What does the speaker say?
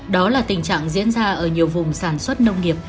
đó là tình trạng diễn ra ở nhiều vùng sản xuất nông nghiệp